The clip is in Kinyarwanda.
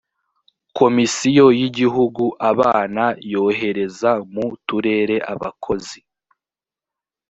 komisiyo y’igihugu abana yohereza mu turere abakozi